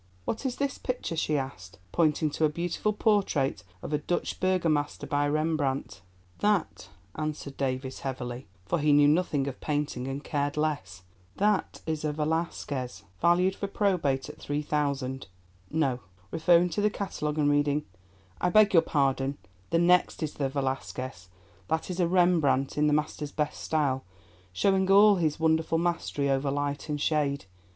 "What is this picture?" she asked, pointing to a beautiful portrait of a Dutch Burgomaster by Rembrandt. "That," answered Davies heavily, for he knew nothing of painting and cared less, "that is a Velasquez, valued for probate at £3,000—no," referring to the catalogue and reading, "I beg your pardon, the next is the Velasquez; that is a Rembrandt in the master's best style, showing all his wonderful mastery over light and shade.